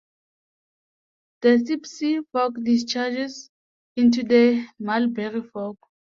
The Sipsey Fork discharges into the Mulberry Fork.